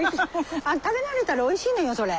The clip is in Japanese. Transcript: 食べ慣れたらおいしいのよそれ。